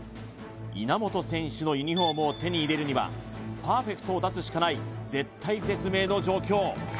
稲本選手のユニフォームを手に入れるにはパーフェクトを出すしかない絶体絶命の状況